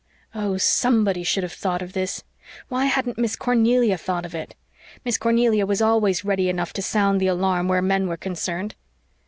Oh, SOMEBODY should have thought of this! Why hadn't Miss Cornelia thought of it? Miss Cornelia was always ready enough to sound the alarm where men were concerned.